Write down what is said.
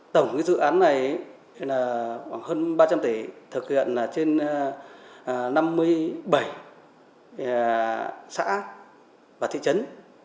tổng dự án này là khoảng hơn ba trăm linh tỷ thực hiện trên năm mươi bảy xã và thị trấn